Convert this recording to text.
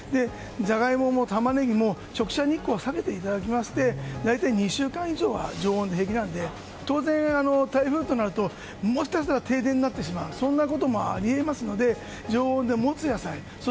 ジャガイモもタマネギも直射日光を避けていただきまして大体２週間以上は常温で平気なので当然、台風となるともしかしたら停電になってしまうそんなこともあり得ますので常温で持つ野菜。